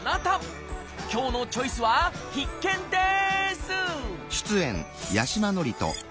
今日の「チョイス」は必見です！